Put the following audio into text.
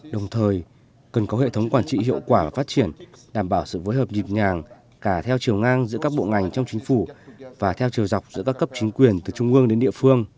đồng thời cần có hệ thống quản trị hiệu quả và phát triển đảm bảo sự phối hợp nhịp nhàng cả theo chiều ngang giữa các bộ ngành trong chính phủ và theo chiều dọc giữa các cấp chính quyền từ trung ương đến địa phương